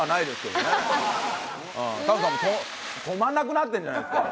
タモリさんも止まんなくなってるじゃないですか。